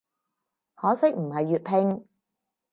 可惜唔係粵拼